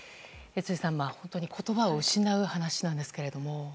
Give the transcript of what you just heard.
辻さん、本当に言葉を失う話なんですが。